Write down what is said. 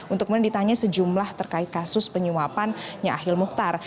untuk menitanya sejumlah terkait kasus penyuapannya ahli mukhtar